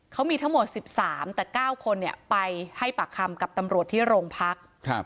เขามีทั้งหมด๑๓แต่๙คนไปให้ปากคำกับตำรวจที่โรงพัก